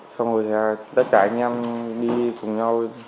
xong rồi tất cả anh em đi cùng nhau